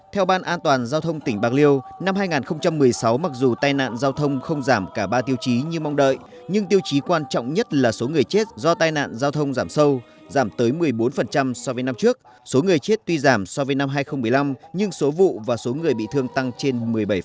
theo ban an toàn giao thông tỉnh bạc liêu năm hai nghìn một mươi sáu mặc dù tai nạn giao thông không giảm cả ba tiêu chí như mong đợi nhưng tiêu chí quan trọng nhất là số người chết do tai nạn giao thông giảm sâu giảm tới một mươi bốn so với năm trước số người chết tuy giảm so với năm hai nghìn một mươi năm nhưng số vụ và số người bị thương tăng trên một mươi bảy